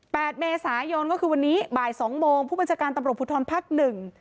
แปดเมษายนก็คือวันนี้บ่ายสองโมงผู้บัญชาการตำรบพุทธรพักหนึ่ง